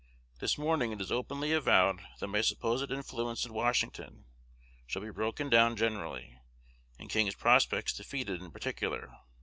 This morning it is openly avowed that my supposed influence at Washington shall be broken down generally, and King's prospects defeated in particular.